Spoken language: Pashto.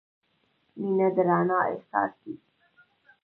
• مینه د رڼا احساس دی.